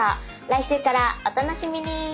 来週からお楽しみに。